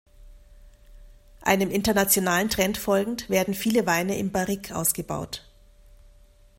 Einem internationalen Trend folgend, werden viele Weine im Barrique ausgebaut.